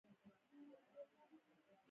که ژوند کې درې شیان له لاسه ورکړل سخت دي.